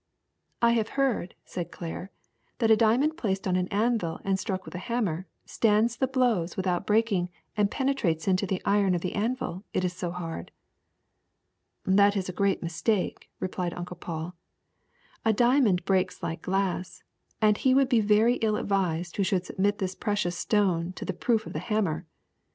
^'I have heard," said Claire, ^Hhat a diamond placed on an anvil and struck with a hammer stands the blows without breaking and penetrates into the iron of the anvil, it is so hard. '^ '^That is a great mistake," replied Uncle Paul. A diamond breaks like glass, and he would be very ill advised who should submit the precious stone to the proof of the hammer.